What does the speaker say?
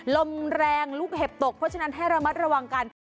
ลมแรงลูกเห็บตกเพราะฉะนั้นให้ระมัดระวังกัน